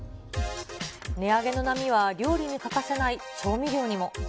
値上げの波は料理に欠かせない調味料にも。